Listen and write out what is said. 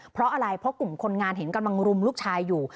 เพราะอะไรเพราะกลุ่มคนงานเห็นกำลังรุมลูกชายอยู่